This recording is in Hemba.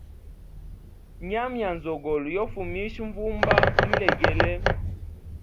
Nyama ya nzogolo yo fumisha vumba lilegele.